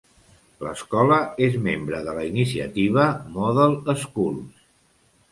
L'escola és membre de la iniciativa Model Schools.